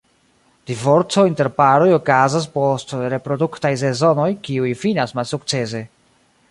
Divorco inter paroj okazas post reproduktaj sezonoj kiuj finas malsukcese.